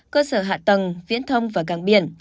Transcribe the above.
cơ sở hạ tầng viễn thông và căng biển